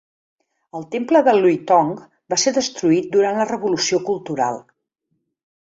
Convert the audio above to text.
El temple de Liutong va ser destruït durant la revolució cultural.